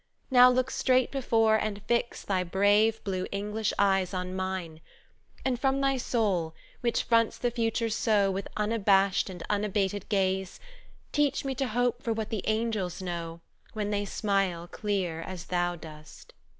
Now look straight before And fix thy brave blue English eyes on mine, And from thy soul, which fronts the future so With unabashed and unabated gaze, Teach me to hope for what the Angels know When they smile clear as thou dost!"